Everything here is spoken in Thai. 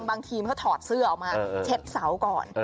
บางทีมเขาถอดเสื้อออกมาเช็ดเสาก่อน